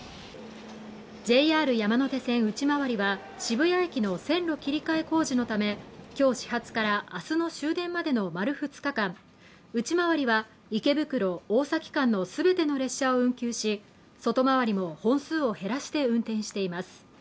ＪＲ山手線内回りは渋谷駅の線路切り替え工事のためきょう始発から明日の終電までの丸２日間内回りは池袋大崎間のすべての列車を運休し外回りも本数を減らして運転しています